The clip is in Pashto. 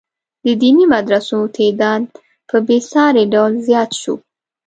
د دیني مدرسو تعداد په بې ساري ډول زیات شو.